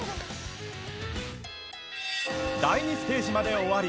第２ステージまで終わり